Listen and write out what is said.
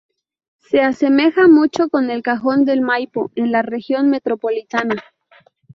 Se asemeja mucho con el Cajón del Maipo en la Región Metropolitana.